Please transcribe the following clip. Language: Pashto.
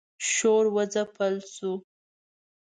شور و ځپل شو.